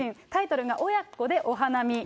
タイトルが親子でお花見。